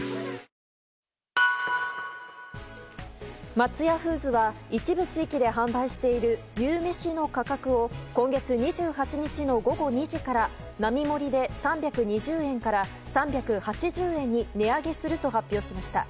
松屋フーズは一部地域で販売している牛めしの価格を今月２８日の午後２時から並盛で３２０円から３８０円に値上げすると発表しました。